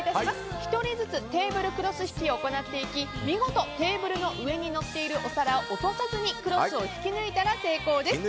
１人ずつテーブルクロス引きを行っていき見事テーブルの上に載っているお皿を落とさずにクロスを引き抜いたら成功です。